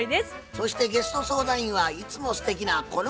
そしてゲスト相談員はいつもすてきなこの方です。